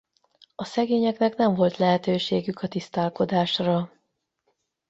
A szegényeknek nem volt lehetőségük a tisztálkodásra.